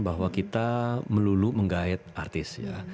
bahwa kita melulu menggait artis ya